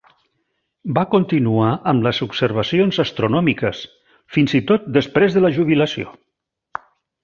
Va continuar amb les observacions astronòmiques, fins i tot després de la jubilació.